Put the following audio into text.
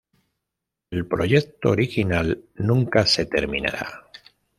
El proyecto original nunca se terminará.